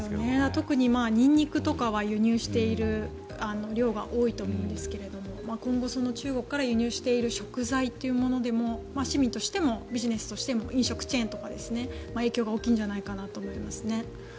特にニンニクとかは輸入している量が多いと思うんですが今後中国から輸入している食材も市民としてもビジネスとしても飲食チェーンとか影響が大きいんじゃないかと思いますね。